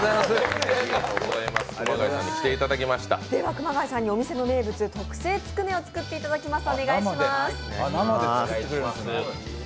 熊谷さんにお店の名物特製つくねを作っていただきます。